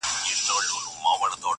چي يقين يې د خپل ځان پر حماقت سو.!